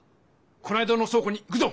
この間のそう庫に行くぞ！